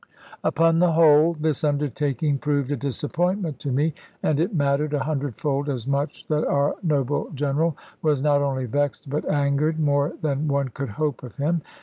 Upon the whole, this undertaking proved a disappointment to me. And it mattered a hundredfold as much that our noble General was not only vexed, but angered more than one could hope of him.